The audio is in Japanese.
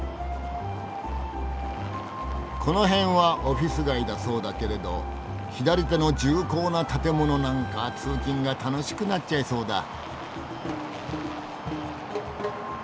この辺はオフィス街だそうだけれど左手の重厚な建物なんか通勤が楽しくなっちゃいそうだ。